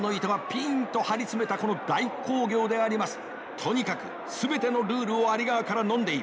とにかく全てのルールをアリ側からのんでいる。